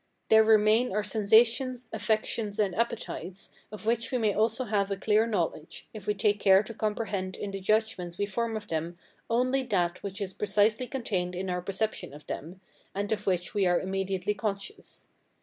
There remain our sensations, affections, and appetites, of which we may also have a clear knowledge, if we take care to comprehend in the judgments we form of them only that which is precisely contained in our perception of them, and of which we are immediately conscious.